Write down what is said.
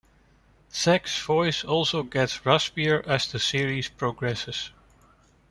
Zack's voice also gets raspier as the series progresses.